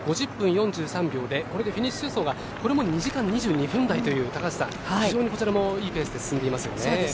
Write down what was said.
５０分４３秒でこれでフィニッシュ予想がこれも２時間２２分台という非常にこちらもいいペースで進んでいますよね。